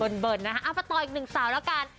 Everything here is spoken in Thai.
เบิร์นนะคะเอาไปต่ออีกหนึ่งสาวแล้วกัน